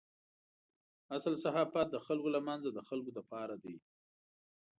اصل صحافت د خلکو له منځه د خلکو لپاره دی.